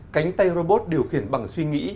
cánh tay robot điều khiển bằng suy nghĩ